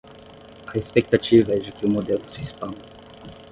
A expectativa é de que o modelo se expanda